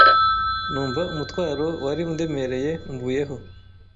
numva umutwaro wari undemereye umvuyeho,